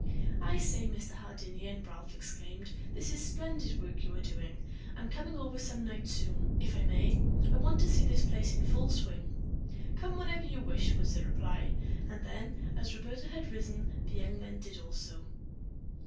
"I say, Mr. Hardinian," Ralph exclaimed, "this is a splendid work that you are doing! I'm coming over some night soon, if I may. I want to see the place in full swing." "Come whenever you wish," was the reply. And then, as Roberta had risen, the young men did also.